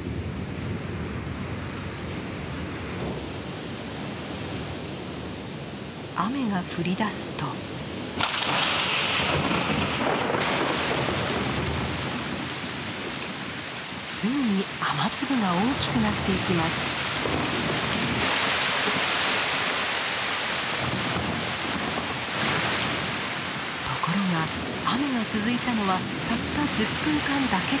ところが雨が続いたのはたった１０分間だけでした。